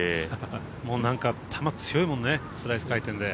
もうなんか球、強いもんねスライス回転で。